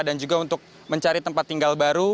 dan juga untuk mencari tempat tinggal baru